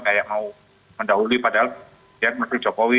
kayak mau mendahului padahal ya menteri jokowi